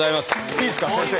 いいですか先生。